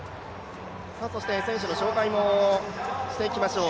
選手の紹介もしていきましょう。